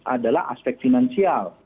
adalah aspek finansial